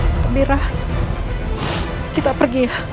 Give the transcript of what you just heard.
samira kita pergi ya